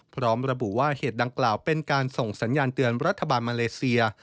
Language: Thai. พร้อมระบุว่าเหตุดังกล่าวเป็นการส่งสัญญาณเตือนรัฐบาลมาเลเซีย